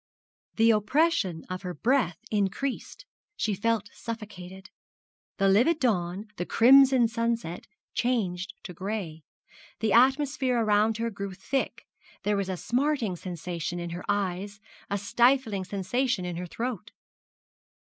The oppression of her breath increased, she felt suffocated. The livid dawn, the crimson sunset, changed to gray; the atmosphere around her grew thick; there was a smarting sensation in her eyes, a stifling sensation in her throat.